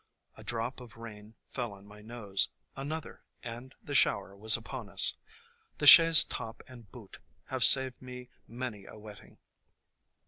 A drop of rain fell on my nose; another, and THE COMING OF SPRING 31 the shower was upon us. The chaise top and boot have saved me many a wetting.